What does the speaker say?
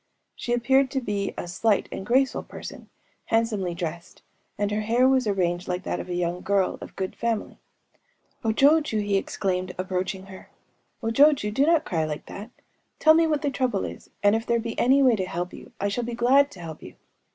She appeared to be a slight and graceful person, handsomely dressed; and her hair was arranged like that of a young girl of good family. “O jochŇę,‚ÄĚ he exclaimed, approaching her,‚ÄĒ‚ÄúO jochŇę, do not cry like that!... Tell me what the trouble is; and if there be any way to help you, I shall be glad to help you.